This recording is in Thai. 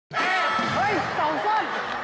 เฮ่ยสองส้น